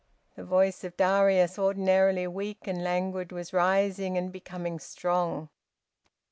The voice of Darius, ordinarily weak and languid, was rising and becoming strong.